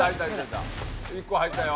１個入ったよ。